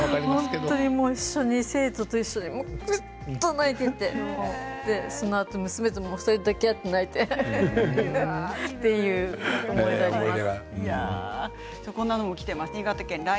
本当に生徒と一緒にずっと泣いていて娘とも２人で抱き合って泣いたっていう思い出があります。